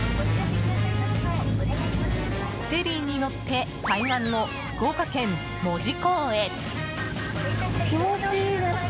フェリーに乗って対岸の福岡県門司港へ！